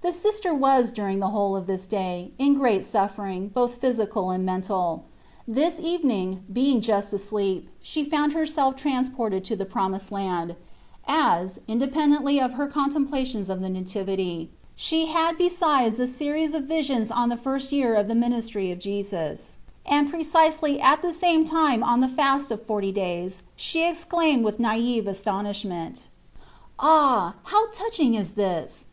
The Sister was during the whole of this day in great suffering, both physical and mental. This even ing, being just asleep, she found herself transported to the Promised Land ; as, & 3esus Christ. 99 independently of her contemplations of the Nativity, she had besides a series of visions on the first year of the ministry of Jesus, and precisely at the same time on the fast of forty days she exclaimed with naive astonishment :" Ah, how touching is this